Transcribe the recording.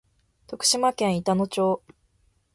徳島県板野町